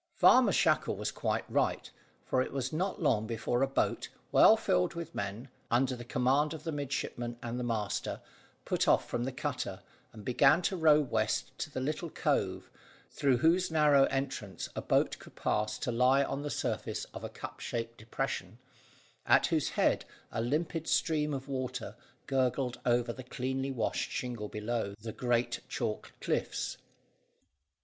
Farmer Shackle was quite right, for it was not long before a boat, well filled with men, under the command of the midshipman and the master, put off from the cutter, and began to row west to the little cove, through whose narrow entrance a boat could pass to lie on the surface of a cup shaped depression, at whose head a limpid stream of water gurgled over the cleanly washed shingle below the great chalk cliffs.